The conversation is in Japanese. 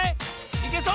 いけそう？